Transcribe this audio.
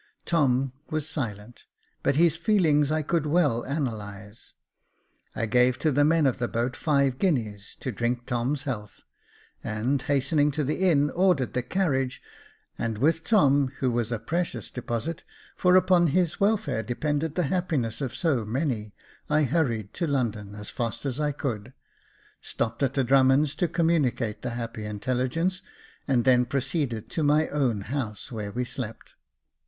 Tom was silent, but his feelings I could well analyse. I gave to the men of the boat five guineas to drink Tom's health, and, hastening to the inn, ordered the carriage, and with Tom, who was a precious deposit, for upon his welfare depended the happiness of so many, I hurried to London as fast as I could, stopped at the Drummonds to com municate the happy intelligence, and then proceeded to my own house, where we slept.